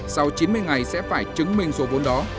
sau chín mươi ngày sẽ phải chứng minh số vốn đó